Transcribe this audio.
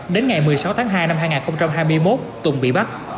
đến ngày một mươi sáu tháng hai năm hai nghìn hai mươi một tùng bị bắt